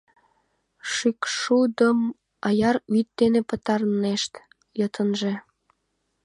— Шӱкшудым аяр вӱд дене пытарынешт, йытынже...